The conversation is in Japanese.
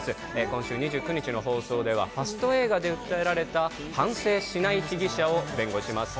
今週２９日の放送ではファスト映画で訴えられた反省しない被疑者を弁護します